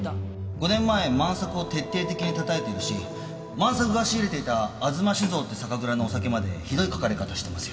５年前万さくを徹底的にたたいてるし万さくが仕入れていた吾妻酒造って酒蔵のお酒までひどい書かれ方してますよ。